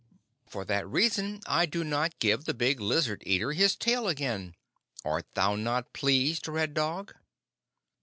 For that reason I do not give the big lizard eater his tail again. Art thou not pleased, Red Dog?"